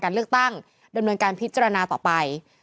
เลือกตั้งดำเนินการพิจารณาต่อไป